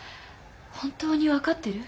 本当に分かってる？